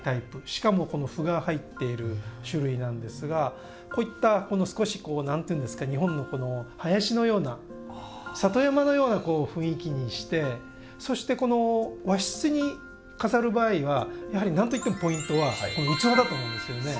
しかもこの斑が入っている種類なんですがこういった少し何ていうんですか日本のこの林のような里山のような雰囲気にしてそして和室に飾る場合はやはり何といってもポイントは器だと思うんですけどね。